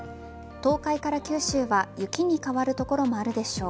東海から九州は雪に変わる所もあるでしょう。